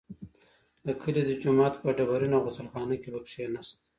د کلي د جومات په ډبرینه غسل خانه کې به کښېناست.